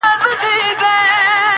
کمزوری سوئ يمه، څه رنگه دي ياده کړمه,